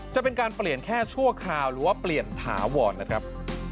จะเป็นการเปลี่ยนแค่ชั่วคราวหรือว่าเปลี่ยนถาวรนะครับ